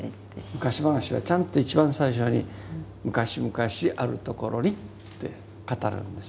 昔話はちゃんと一番最初に「むかしむかしあるところに」って語るんです。